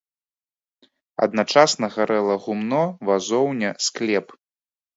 Адначасна гарэла гумно, вазоўня, склеп.